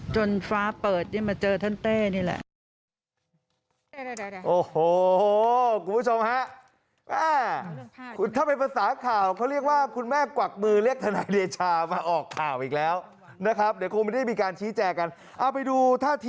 ฟ้าเปิดมาเจอท่านเต้นี่แหละ